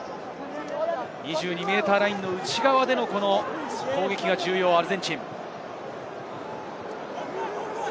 ２２ｍラインの内側での攻撃が重要、アルゼンチン。